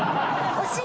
惜しい。